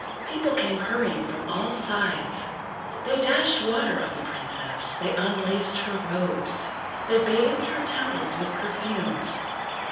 People came hurrying from all sides. They dashed water on the Princess. They unlaced her robes. They bathed her temples with perfumes.